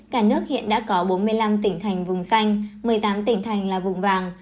cả nước hiện đã có bốn mươi năm tỉnh thành vùng xanh một mươi tám tỉnh thành là vùng vàng